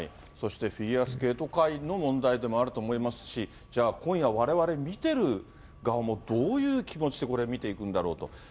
そしてフィギュアスケート界の問題でもあると思いますし、じゃあ、今夜われわれ見てる側も、どういう気持ちでこれ、見ていくんだろうと。